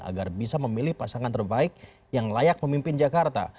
agar bisa memilih pasangan terbaik yang layak memimpin jakarta